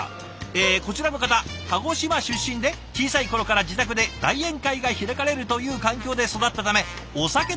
えこちらの方鹿児島出身で小さい頃から自宅で大宴会が開かれるという環境で育ったためお酒の席が大好き。